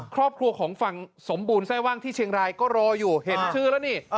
ครอบครัวของฝั่งสมบูรณแทร่ว่างที่เชียงรายก็รออยู่เห็นชื่อแล้วนี่